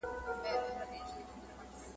زرلوړه